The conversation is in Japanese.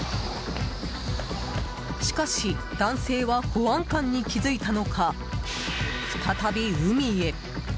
しかし男性は保安官に気づいたのか、再び海へ。